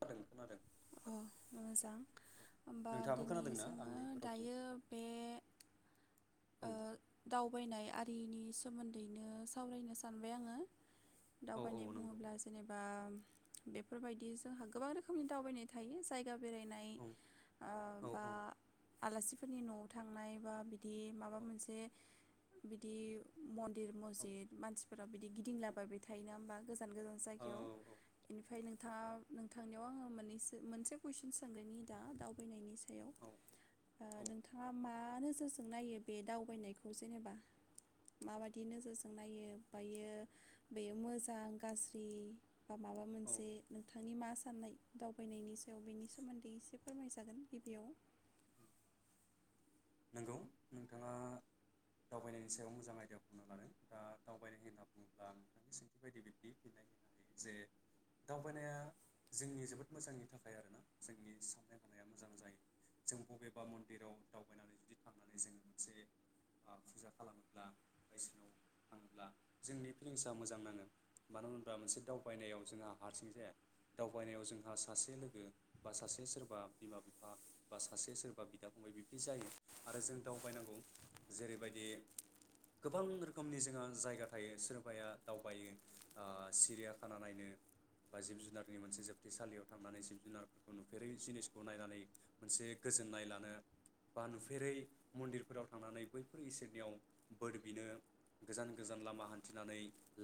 खोनादों खोनादों नोंथां अ मोजां औ होमबा नोंथाङाबो दिनि खोनादोंना जोङो आंनि रावखौ दायो बे औ ओ दावबायनाय आथ रिनि सोमोन्दैनो सावरायनो सानबाय आङो औ औ दावबायनाय नंगौ बुङोब्ला जेनेबा बेफोरबायदि जोंहा गोबां रोखोमनि दावबायनाय थायो जाय गा बेरायनाय औ ओ औ बा औ आलासिफोरनि न'आव थांनाय बा बिदि माबा मोनसे बिदि म दिर औ मजिद मानसि फोराव बिदि गिदिंलाबाय थायोना होमबा गोजान गोजान जायगायाव इनिफ्राय नों नोंथाङा नोंथांनियाव आङो मोननैसो मोनसे कुइसन सांग्रोनि दा दावबायनायनि सायाव औ नोंथाङा ओ मा नोजोरजों नायो बे दावबायनायखौ जेनेबा माबायदि नोजोरजों नायो बायो बे मोजां गाज्रि बा माबा औ मोनसे नोंथांनि मा साननाय दावबायनायनि सायाव बेनि सोमोन्दै एसे फोरमायजागोन गिबियाव नंगौ नोंथाङा दावबायनायनि सायाव मोजां आयदिया बुंनो लादों दा दावबायनाय होनना बुङोब्ला नोंथांनि सोंथि बायदि बिब्दि फिन्नाय होनो हायो जे दावबायनाया जोंनि जोबोद मोजांनि थाखाय आरोना जोंनि साननाय हनाया मोजां जायो जों बबेबा मन्दिराव द दावबायनानै जुदि थांनानै जोङो मोनसे फुजा खालामोब्ला बायसिनाव थाङोब्ला जोंनि फिलिंस मोजां नाङो मानो होनोबा मोनसे दावबायनायाव जोंहा हारसिं जाया दावबायनायाव जोंहा सासे लोगो बा सासे सोरबा बिमा बिफा बा सासे सोरबा बिदा फंबाय बि बिदि जायो आरो जों दावबायनांगौ जेरैबायदि गोबां रोखोमनि जोंहा जायगा थायो सोरबाया दावबायो ओ सिरियाखाना नायनो बा जिब जुनारनि मोनसे जोबथेसालियाव थांनानै जिब जुनारफोरखौ नुफेरै जिनिसखौ नायनानै मोनसे गोजोननाय लानो बा नुफेरै मन्दिरफोराव थांनानै बैफोर इसोरनियाव बोर बिनो गोजान गोजान लामा हान्थिनानै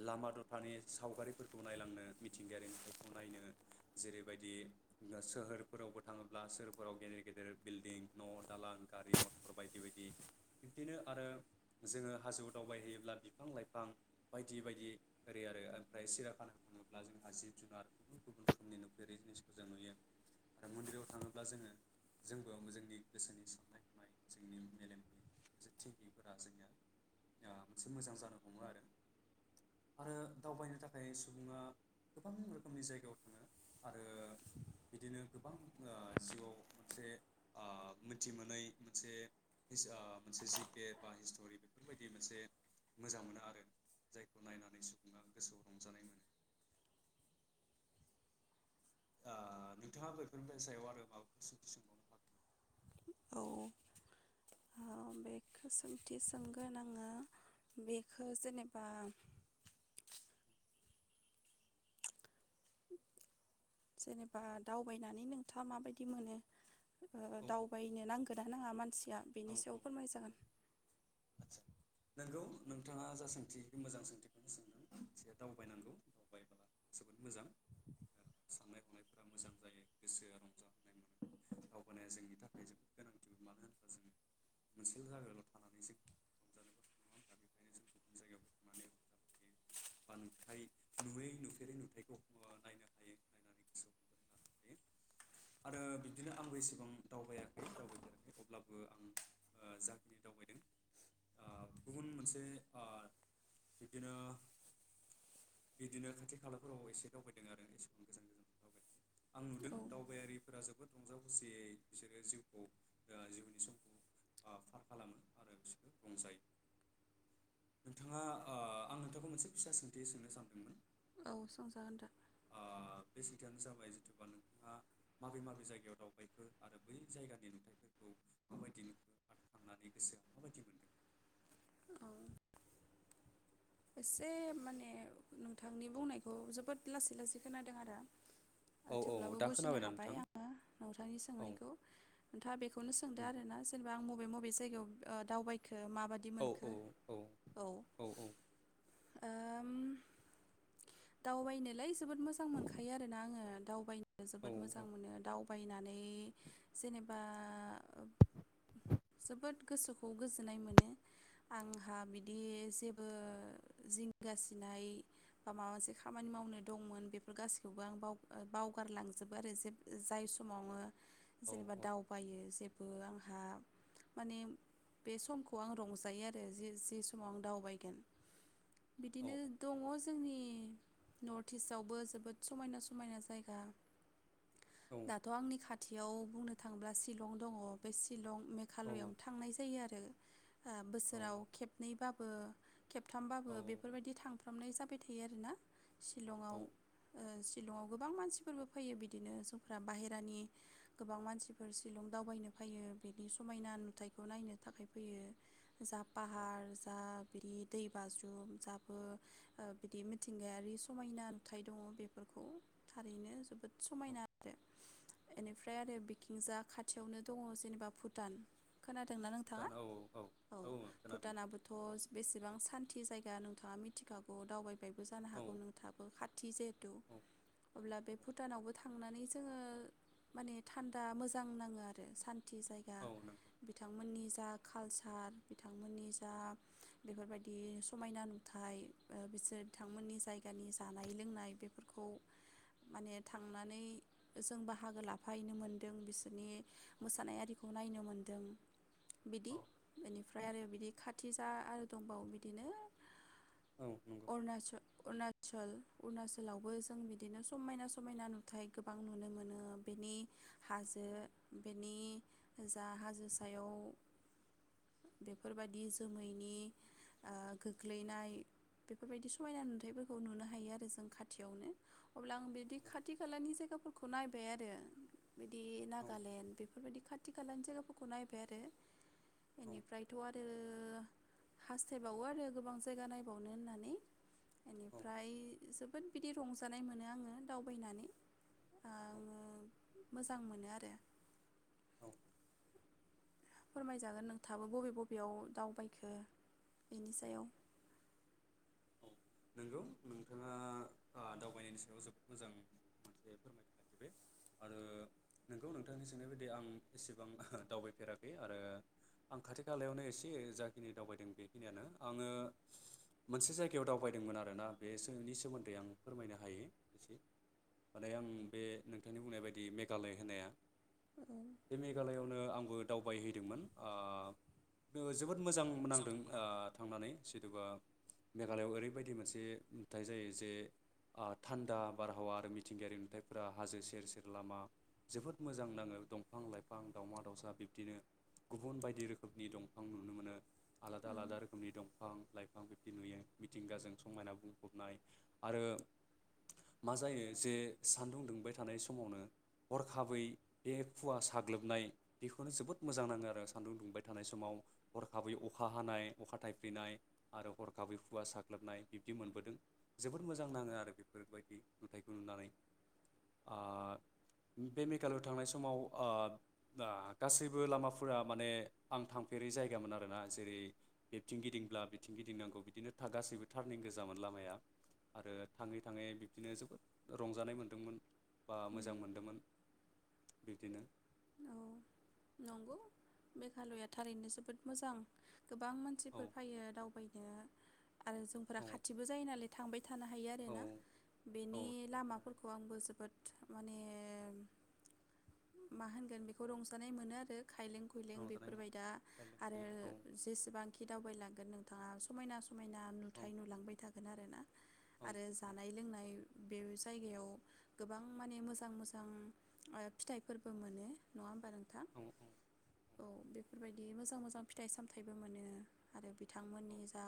लामा दथानि सावगारिफोरखौ नायलांनो मिथिंगायारि नुथायखौ नायनो जेरैबायदि सोहोरफोरावबो थाङोब्ला सोहोरफोराव गेदेर गेदेर बिल्डिं न दालां गारि मथर बायदि बायदि बिबदिनो आरो जोङो हाजोआव दावबायहैयोब्ला बिफां लाइफां बायदि बायदि ओरै आरो ओमफ्राय सिराखाना थाङोब्ला जोंहा जिब जुनार गुबुन गुबुन रोखोमनि नुफेररै जिनिसखौ जों नुयो आरो मन्दिराव थाङोब्ला जोङो जोंबो जोंनि गोसोनि साननाय हनाय जोंनि मेलेमनि मोनसे थिंकिंफोरा जोंनिया मोनसे मोजां जानो हमो आरो आरो दावबायनो थाखाय सुबुङा गोबां रोखोमनि जायगायाव थाङो आरो बिदिनो गोबां ओ जिउआव मोनसे आ मिथि मोनै मोनसे ओ मोनसे जि केे बा हिस्ट'रि बेफोरबायदि मोनसे मोजां मोनो आरो जायखौ नायनानै सुबुङा गोसोआव रंजानाय मोनो नोंथाङा बेफोरनि सायाव आरो माबाफोर सोंबावनो हागोन अ ओ बेखौ सोंथि सोंगोन आङो बेखौ जेनेबा जेनेबा दावबायनानै नोंथाङा माबायदि मोनो ओ औ दावबायनो नांगोन ना नाङा मानसिया औ बिनि सायाव फोरमाय औ औ जागोन आदसा नोंगौ नोंथाङा जा सोंथि मोजां सोंथिखौनो सोंदों मानसेया दावबायनांगौ दावबायब्ला जोबोद मोजां साननाय हनायफोरा मोजां जायो गोसोआ रंजाय मोनो दावबायानाया जोंनि थाखाय जोबोद गोनांथि मानो होनोब्ला जों मोनसे जायगायाव' थानानै जों हमजानोबो नङा दा बेखायनो जों गुबुन जायगायावबो थांनानै रंज हायो बा नुथाय नुयै नुफेरै नुथायखौ नायनो हायो नायनानै गोसोआव हमज लानो हायो आरो बिब्दिनो आंबो एसेबां दावबायाखै दावबायफेराखै अब्लाबो आं ओ जाखिनि दावबायदों अ गुबुन मोनसे आ बिदिनो बिदिनो खाथि खालाफोराव एसे दावबायदों आरो एसेबां गोजान गोजान दावबायाखै आं नुदों औ दावबायारिफोरा जोबोद रंजा खुसियै बिसोरो जिउखौ ओ जिउनि समखौ फार खालामो आरो बिसोर रंजायो नोंथाङा आ आं नोंथांखौ मोनसे फिसा सोंथि सोंनो सानदोंमोन औ सोंजागोन दा ओ बे सोंथिआानो जाबाय जिथुबा नोंथाङा माबे माबे जायगायाव दावबायखो आरो बै जायगानि नुथायफोरखौ माबायदि नुखो आरो थांनानै गोसोआव माबायदि मोनो औ एसे माने नोंथांनि बुंनायखौ जोबोद लासै लासै खोनादों आरो औ औ थेवब्लाबो दा बुजिनो खोनाबायना हाबाय नोंथां आङो नोंथांनि औ सोंनायखौ नोंथाङा बेखौनो सोंदो आरोना जेनेबा आं मब मबे मबे जायगायाव ओ दावबायखो खो माबायदि औ मोनखो औ ओम दावबायनोलाय जोबोद मोजां मोनखायो आरोना आङो दावबाय जोबोद मोजां मोनो दाउ बायनानै जेनेबा जोबोद गोसोखौ गोजोननाय मोनो आंहा बिदि जेबो जिंगासिनाय बा माबा मोनसे खामानि मावनो दंमोन बेफोर गासिखौबो आं बा बावगारलांजोबो आरो जे जाय समाव आङो जेनेबा औ दावबायो जेबो आं हा माने बे समखौ आं रंजायो आरो जि समाव आं दावबायगोन बिदिनो दङ जोंनि नर्थ इस्टवबो जोबोद समायना समायना जायगा औ दाथ' आंनि खाथ थियाव बुंनो थाङोब्ला शिलं दङ बे शिलं औ मेघालयआवनो थांनाय जायो आरो आ औ बोसोराव खेबनै बा ओ खेबथा ओ बेफोरबायदि थांफ्रामनाय जाब बाय थायो आरोना औ शगलंआव ओ शिलंआव गोबां मानसिफोरबो फैयो बिदिनो जफ्रा बाहेरानि गोबां मानसिफोर शिलं दावबायनो फैयो बिनि समायना नुथायखौ नायनो थाखाय फैयो जा औ पाहार जा बिदि दै बाज्रु उम जाबो ओ बिदि मिथिंगायारि समायना नुथाय दङ बेफोरखौ थारैनो जोबोद औ समायना आरो एनिफ्राय आरो बिकिंजा खाथ थियावनो दङ जेनेबा भुटान खोनादोंना नोंथाङा औ भुटानाबोथ' बेसेबां सान दि जायगा नोंथाङा मिथिखागौ दावबाय बायबो जानो औ हागौ नोंथाबो खाथि जहेथु औ अब्ला बे भुटानावबो थांनानै जो जोङो माने थान्दा मोजां नाङो आरो सान थि जायगा औ नंगौ बिथांमोननि जा कालचार बिथांमोननि जा बेफोरबाय दि समायना नुथाय ओ बिसोर बिथांमोननि जायगानि जानाय लोंनाय बेफोरखौ माने थांनानै जों बाहागो लाफाहैनो मोनदों बिसोरनि औ मोसानाय आरिखौ नायनो मोनदों बिदि औ बेनिफ्रा फ्राय आरो बिदि खाथि जा आरो दंबावो बि दिनो औ नंगौ औ औ अरुनाच' अरुनाचल अरुणाचलावबो जों बिदिनो समायना समायना नुथाय गोबां नुनो मोनो बेनि हाजो बेनि जा हाजो सायाव बेफोरबादि जोमैनि आ गोग्लैनाय बेफोरबायदि समायना नुथायफोरखौ नुनो हायो आरो जों खाथियावनो अब्ला आं बिदि खाथि खालानि जायगाफोरखौ नायबाय आरो बिदि नागालेण्ड बेफोरबायदि खाथ थि खालानि जायगाफोरखौ नायबाय आरो बेनिफ्रायथ' आरो हास सायबावो आरो गोबां जायगा नायबावनो होननानै बेनिफ्राय जोब बोद बिदि रंजानाय मोनो आङो दावबायनानै औ आङो मोजां मोनो आरो औ फोरमायजागोन नोंथाङाबो बबे बबेयाव दावबायखो बेनि सायाव औ नंगौ नोंथाङा आ दावबायनायनि सायाव जोबोद मोजां मोनसे फोरमायथि लाखिबाय आरो नोंगौ नोंथांनि सोंनाय बायदि आं एसेबां दावबायफेराखै आरो आं खाथि खालायावनो एसे जाखिनि दावबायदों बेखिनियानो आङो मोनसे जाय गायाव दावबायदोंमोन आरो ना बेनि सोमोन्दै आं फोरमायनो हायो एसे माने आं बे नोंथांनि बुंनाय बायदि मेघालय होननाया औ बे मेघालयआवनो आं बो दावबायहैदोंमोन आ जोबोद मोजां नांदों ओ थांनानै [unintelligible] मेघालयआव ओरैबायदि मोनसे नुथाइ जायो जे आ थान्दा बारहावा आरो मिथिंगायारि नुथायफोरा हाजो सेर सेर लामा जोबोद मोजां नाङो दंफां लाइफां दावमा दाावसा बिब्दिनो गुबुन बायदि रोखोमनि दंफां नुनो मोनो आलादा औ। आलादा रोखोमनि दंफां लाइफां बिबदि नुयो मिथिंगाजों समायना बुंफबनाय आरो मा जायो जे सान्दुं दुंबाय थानाय समावनो हरखाबै बे खुवा साग्लोबनाय बेखौनो जोबोद मोजां नाङो आरो सान्दुं दुंबाय थानाय समाव हरखाबै अखा हानाय अखा थाइफ्रिनाय आरो हरखाबै खुवा साग्लोबनाय बिब्दि मोनबोदों जोबोद मोजां नाङो आरो बेफोरबायदि नुथायाइखौ नुनानै आ बे मेघालआव थांनाय समाव आ गासैबो लामाफोरा माने आं थांफेरै जायगामोन आरोना जेरै बेबथिं गिदिंब्ला बिथिं गिदिंनांगौ बिदिनो गासैबो टारनिं गोजामोन लामाया आरो थाङै थाङै बिब्दिनो जोबोद रंजानाय मोनदोंमोन बा उम मोजां मोनदोंमोन बिदिनो औ नंगौ मेघालया थारैनो जोबोद मोजां गोबां औ मानसिफोर फायो दावबाय आरो जोंफोरा औ खाथिबो जायो नालाय थांबाय थानो हायो औ आरोना औ बेनि थांबाय थानो लामाफोरखौ हायो आंबो जोबोद माने मा होन गोन बेखौ रंजानाय मोनो आरो खायलें खुइलें रंजानाय बेफोरबाय मोनो दा बेलेग आरो बेलेग औ जेसेबां खि दावबायलांगोन नोंथाङा समायना समायना औ नुथाय नुलांबाय था हागोन आरो ना औ आरो जानाय लोंनाय बे जायगायाव गोबां माने मोजां मोजां ओ फिथाइफोरबो मोनो नंआ होमबा नों थां औ औ बेफोरबायदि मोजां मोजां मोजां फिथाइ सामथाइबो मोनो आरो बिथांमोननि जा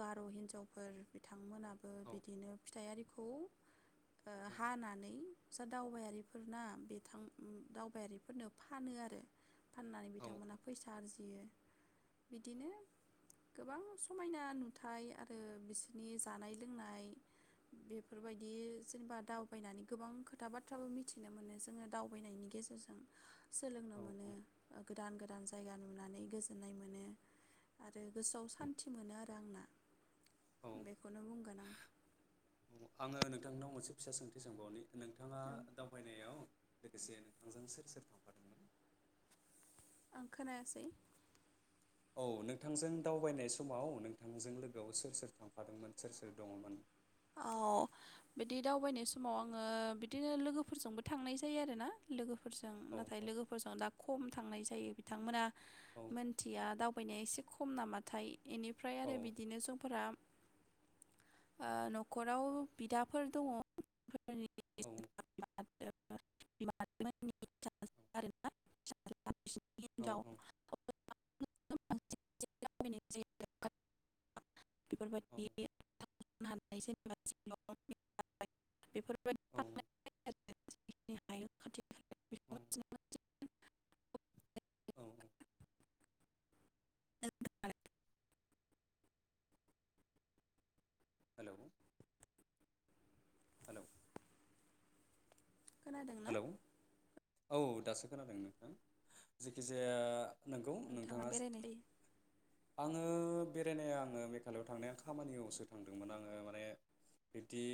गार' हिनजावफोर बिथांमोना बो औ बिदिनो फिथाइ आरि खौ ओ औ हानानै जा दावबायारिफोरना बिथां दावबायारि फोरनो फानो आरो फाननानै बिथांमोनहा फैसा आरजियो बिदिनो गोबां समायना नुथाय आरो बिसोरनि जानाय लोंनाय बेफोरबायदि जेनेबा दावबायनानै गोबां खोथा बाथ्राबो मिथिनो मोनो जोङो दावबायनायनि गेजेरजों सोलोंनो मोनो गोदान गोदान ज जायगा नुनानै गोजोन्नाय मोनो आरो गोसोआव सान्थि मोनो आरो दांना औ औ बेखौनो बुंगोन आं आङो नोंथांनाव मोनसे फिसा सोंथि सोंबावनि नोंथाङा औ दावबायनायाव लोगोसे नोंथांजों सोर सोर थांफादोंमोन आं खोनायासै औ नोंथांजों दावबायनाय समाव नोंथांजों लोगोआव सोर सोर थांफादोंमोन सोर सोर दंमोन? औ बिदि दावबायनाय समाव आङो बिदिनो लोगोफोरजोंबो थांनाय जायो आरोना लोगोफोर फोरजों औ नाथाय औ लोगोफोरजों दा खम थांनाय जायो बिथांमोना औ मोनथिया दाउ दावबायनाया एसे खम नामाथाय एनिफ्राय आरो बिदिनो जोंफोरा ओ न न'खराव बिदाफोर दङ औ म [unintelligible] हिनजाव [inaudible] बेफोरबायदि बा बेफोर औ [unintelligible] [unintelligible] [inaudible] औ औ [unintelligible] हेलौ हेलौ खोनादोंना? हेलौ औ दासो खोनादों नोंथां। नोंगौ नोंथाङा आङो बेरायनाया आङो मेघालयआव थांनाया खामानियावसो थांदोंमोन आङो माने बिबदि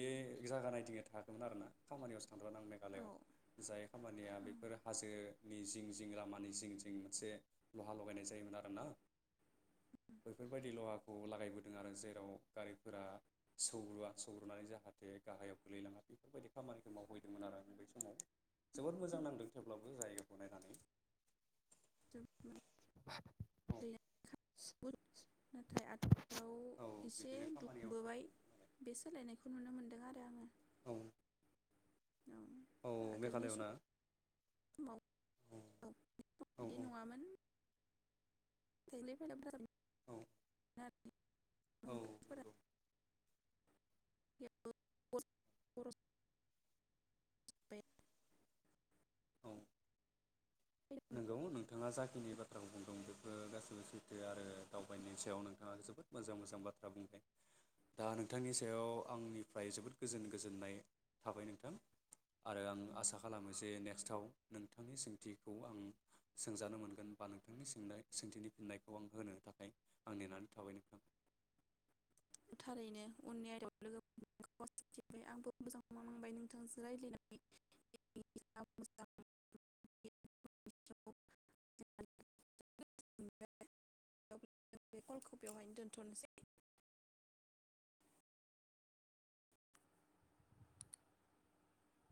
जागा नायदिंनो थाङाखैमोन आरोना खामानियावसो थांदोंमोन आं मेघालआव जायो नि जिं जिं लामानि जिं जिं मोनसे लहा लगायनाय जायोमोन आरो ना बैफोरबायदि लहाखौ लागायबोदों आरो जेराव गारिफोरा सौग्रुवा सौग्रुनानै जाहाथे गाहायाव गोलैलाङा बेफोरबायदि खामानिखौ मावहैदोंमोन आरो। समाव [unintelligible] औ नाथाय आथिखालाव औ एसे बिदिनो खामानियावसो दुंबोबाय थांदोंमोन नालाय बे सोलायनायखौ नुनो मोनदों आरो। आङो औ औ औ आगोलनि मेघालयावना समाव [inaudible] औ बिदि नङामोन [unintelligible] औ औ नंगौ [unintelligible] [unintelligible] औ नोंगौ नोंथाङा जाखिनि बाथ्राखौ बुंदों बेफोर गासैबो सैथो आरो दावबायनायनि सायाव नोंथाङा जोबोद मोजां मोजां बाथ्रा बुंबाय दा नोंथांनि सायाव आंनिफ्राय जोबोद गोजोन गोजोननाय थाबाय नोंथां आरो आं आसा खालामो जे नेक्स्टआव नोंथांनि सोंथि खौ आं सोंजानो मोनगोन बा नोंथांनि सोंनाय सोंथिनि फिन्नायखौ आं होनो थाखाय आं नेनानै थाबाय नोंथां। थारैनो उननि आयदायाव लोगो [inaudible] फोरबाय आंबो मोजांखौनोनांबाय नोंथांजों राय्लायनानै [unintelligible] [inaudible] [unintelligible] जों बे कलखौ बेयावहायनो दोनथ'नोसै।